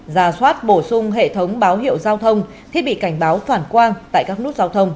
ra soát bổ sung hệ thống báo hiệu giao thông thiết bị cảnh báo phản quang tại các nút giao thông